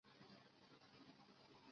本表不含未实际统治之台湾地区。